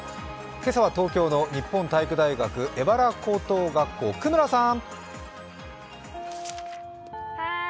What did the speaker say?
今朝は東京の日本体育大学荏原高等学校、久原さん。